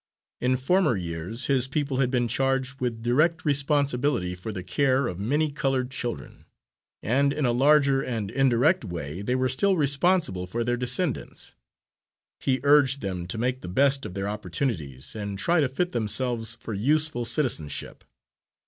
In former years his people had been charged with direct responsibility for the care of many coloured children, and in a larger and indirect way they were still responsible for their descendants. He urged them to make the best of their opportunities and try to fit themselves for useful citizenship.